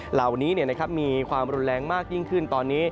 เหล่านี้มีความรุนแรงมากยิ่งขึ้นตอนนี้